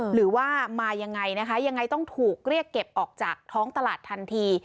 หรือว่ามายังไงนะคะยังไงต้องถูกเรียกเก็บออกจากท้องตลาดทันที